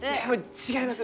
違います。